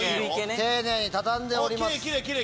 丁寧に畳んでおります。